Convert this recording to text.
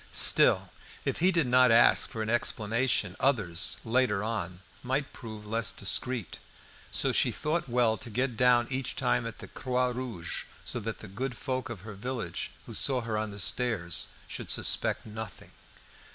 Still, if he did not ask for any explanation, others, later on, might prove less discreet. So she thought well to get down each time at the "Croix Rouge," so that the good folk of her village who saw her on the stairs should suspect nothing.